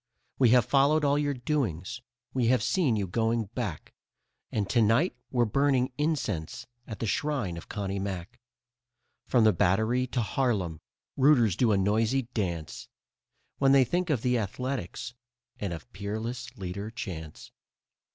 We have followed all your doings, we have seen you going back, And to night we're burning incense at the shrine of Connie Mack. From the Battery to Harlem, rooters do a noisy dance When they think of the Athletics and of Peerless Leader Chance.